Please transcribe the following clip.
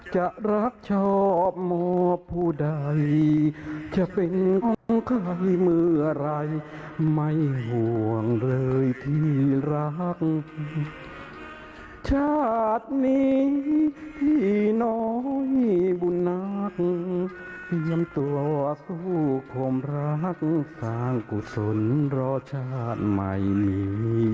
ชาตินี้ที่น้อยบุญนักเตรียมตัวสู้ความรักสร้างกุศลรสชาติไม่มี